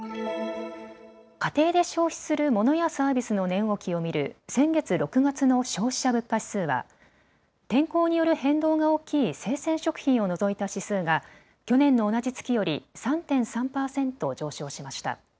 家庭で消費するモノやサービスの値動きを見る先月６月の消費者物価指数は天候による変動が大きい生鮮食品を除いた指数が去年の同じ月より３．３％上昇しました。